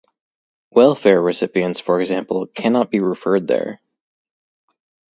Welfare recipients, for example, cannot be referred there.